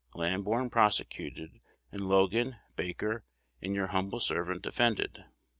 Lamborn prosecuted, and Logan, Baker, and your humble servant defended.